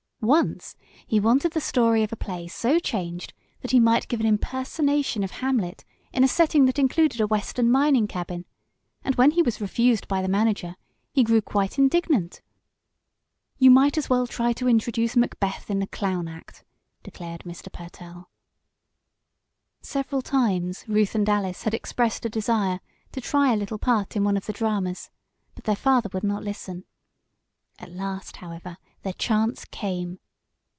Once he wanted the story of a play so changed that he might give an impersonation of Hamlet in a setting that included a Western mining cabin, and when he was refused by the manager he grew quite indignant. "You might as well try to introduce Macbeth in the clown act," declared Mr. Pertell. Several times Ruth and Alice had expressed a desire to try a little part in one of the dramas, but their father would not listen. At last, however, their chance came.